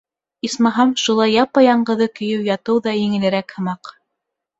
Исмаһам, шулай япа-яңғыҙы көйө ятыу ҙа еңелерәк һымаҡ.